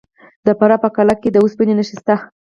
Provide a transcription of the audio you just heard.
د فراه په قلعه کاه کې د وسپنې نښې شته.